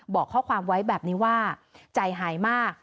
บอกข้อความไว้แบบนี้ว่าใจหายมาก